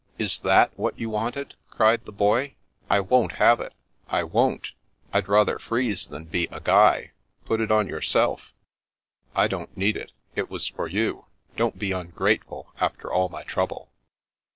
" Is that what you wanted ?" cried the Boy. " I won't have it. I won't! I'd rather freeze than be a guy. Put it on yourself." "I don't need it. It was for you. Don't be ungrateful, after all my trouble."